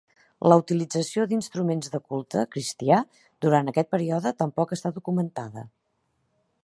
La utilització d"instruments de culte cristià durant aquest període tampoc està documentada.